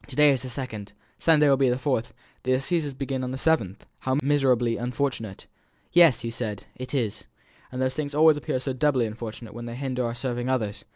"To day is the second Sunday will be the fourth the assizes begin on the seventh; how miserably unfortunate!" "Yes!" he said, "it is. And these things always appear so doubly unfortunate when they hinder our serving others!